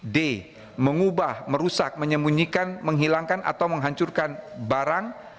d mengubah merusak menyembunyikan menghilangkan atau menghancurkan barang